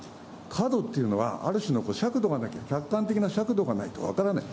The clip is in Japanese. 過度というのは、ある種の尺度がなきゃ、客観的な尺度がないと分からない。